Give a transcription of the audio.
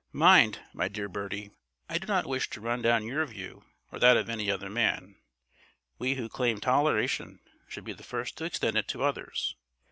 Mind, my dear Bertie, I do not wish to run down your view or that of any other man. We who claim toleration should be the first to extend it to others.